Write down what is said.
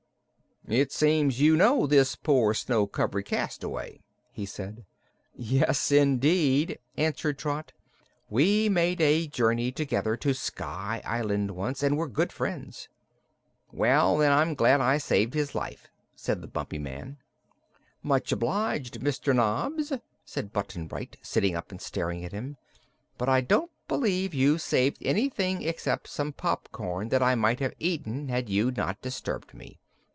"It seems you know this poor, snow covered cast away," he said. "Yes, indeed," answered Trot. "We made a journey together to Sky Island, once, and were good friends." "Well, then I'm glad I saved his life," said the Bumpy Man. "Much obliged, Mr. Knobs," said Button Bright, sitting up and staring at him, "but I don't believe you've saved anything except some popcorn that I might have eaten had you not disturbed me.